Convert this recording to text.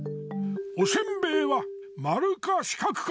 おせんべいはまるかしかくか！